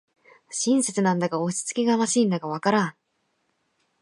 親切なんだか押しつけがましいんだかわからん